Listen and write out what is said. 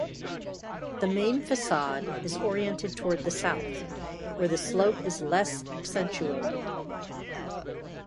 The main facade is oriented towards the south, where the slope is less accentuated.